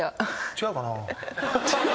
違うかなあ。